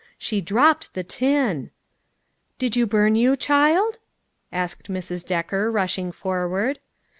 She dropped the tin ! "Did you burn you, child?" asked Mrs. Decker, rushing forward.